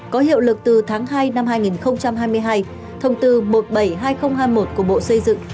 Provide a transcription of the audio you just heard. có hiệu lực từ tháng hai năm hai nghìn hai mươi hai thông tư một trăm bảy mươi hai nghìn hai mươi một của bộ xây dựng